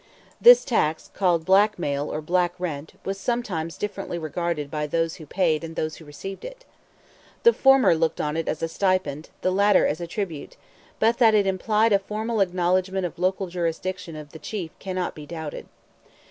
This tax, called "black mail," or "black rent," was sometimes differently regarded by those who paid and those who received it. The former looked on it as a stipend, the latter as a tribute; but that it implied a formal acknowledgment of the local jurisdiction of the chief cannot be doubted.